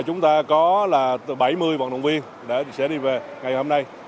chúng ta có là bảy mươi vận động viên sẽ đi về ngày hôm nay